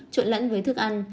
trộn lẫn với thức ăn